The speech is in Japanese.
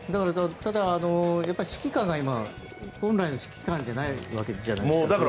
ただ、指揮官が今、本来の指揮官じゃないじゃないですか。